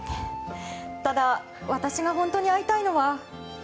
ただ、私が本当に会いたいのは。